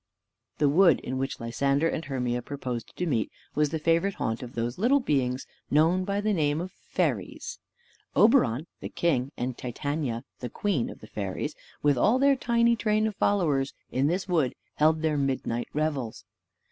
The wood in which Lysander and Hermia proposed to meet, was the favorite haunt of those little beings known by the name of Fairies. Oberon the king, and Titania the queen of the Fairies, with all their tiny train of followers, in this wood held their midnight revels.